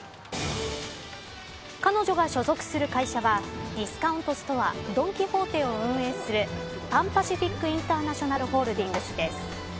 彼女が所属する会社はディスカウントストアドン・キホーテを運営するパン・パシフィック・インターナショナルホールディングスです。